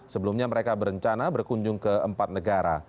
sebelumnya mereka berencana berkunjung ke empat negara